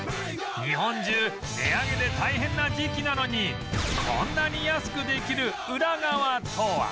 日本中値上げで大変な時期なのにこんなに安くできるウラ側とは？